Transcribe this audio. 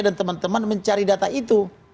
dan teman teman mencari data itu